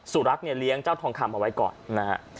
สุรักษ์เนี่ยเลี้ยงเจ้าทองคำเอาไว้ก่อนนะฮะ